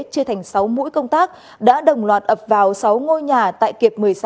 chia thành sáu mũi công tác đã đồng loạt ập vào sáu ngôi nhà tại kiệt một mươi sáu